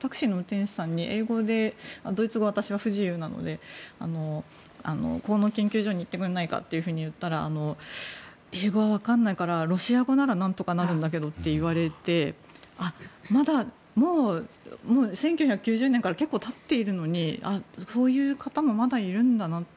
ドイツ語、私は不自由なのでこの研究所に行ってくれないかと言ったら英語は分からないからロシア語なら何とかなるんだけどと言われてもう１９９０年から結構経っているのにそういう方もまだいるんだなと。